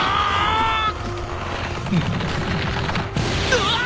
うわっ！